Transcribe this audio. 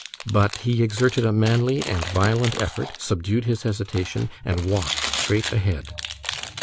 But he exerted a manly and violent effort, subdued his hesitation, and walked straight ahead.